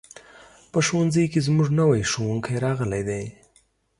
په ښوونځي کې زموږ نوی ښوونکی راغلی دی.